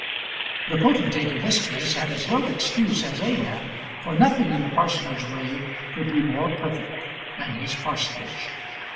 The potentate in this case had as little excuse as Ahab, for nothing in the parsonage way could be more perfect than his parsonage.